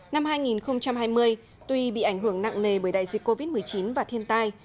năm hai nghìn hai mươi tuy bị ảnh hưởng nặng nề bởi đại dịch covid một mươi chín và thiên tai